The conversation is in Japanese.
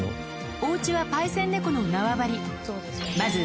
おうちはパイセン猫の縄張